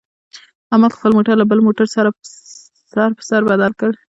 احمد خپل موټر له بل موټر سره سر په سر بدل کړ.